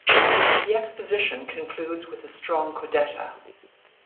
The exposition concludes with a strong codetta.